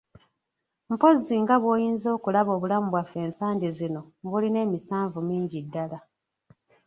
Mpozzi nga bw'oyinza okulaba obulamu bwaffe ensangi zino bulina emisanvu mingi ddala.